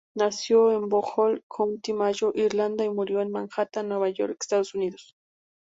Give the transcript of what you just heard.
Nació en Bohol, County Mayo, Irlanda y murió en Manhattan, Nueva York, Estados Unidos.